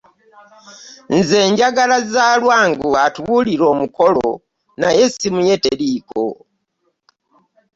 Nze nninda Zalwango atubuulire omukolo omukolo naye essimu ye teriiko